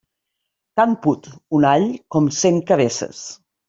Tant put un all com cent cabeces.